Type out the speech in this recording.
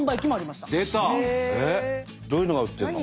どういうのが売ってんの？